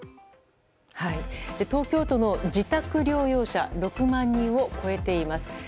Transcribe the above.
東京都の自宅療養者６万人を超えています。